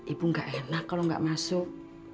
ibu gak enak kalau nggak masuk